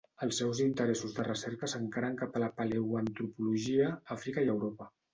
Els seus interessos de recerca s'encaren cap a la paleoantropologia, Àfrica i Europa.